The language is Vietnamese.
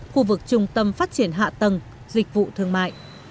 khu vực trung tâm phát triển hạ tầng dịch vụ thương mại